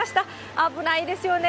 危ないですよね。